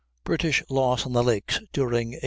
BRITISH LOSS ON THE LAKES DURING 1813.